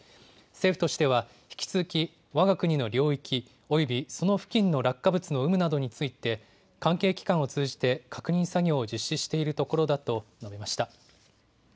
政府としては引き続き、わが国の領域およびその付近の落下物の有無などについて関係機関を通じて確認作業を実施しているところだと述べました。